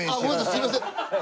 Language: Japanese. すいません。